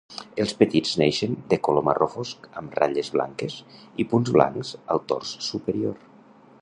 Els petits neixen de color marró fosc amb ratlles blanques i punts blancs al tors superior.